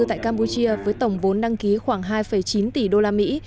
tại campuchia với tổng vốn đăng ký khoảng hai chín tỷ đô la mỹ